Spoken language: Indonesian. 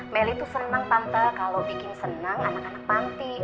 meli tuh senang tante kalau bikin senang anak anak pantai